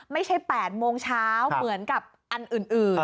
ไม่ใช่๘โมงเช้าเหมือนกับอันอื่น